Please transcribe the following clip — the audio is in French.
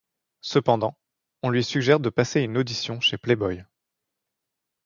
Cependant, on lui suggère de passer une audition chez Playboy.